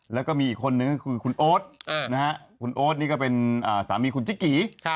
แล้วก็มีอีกคนนึงคือคุณโอ้ดนี่ก็เป็นสามีคุณจิ๊กกิ